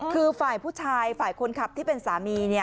คือฝ่ายผู้ชายฝ่ายคนขับที่เป็นสามี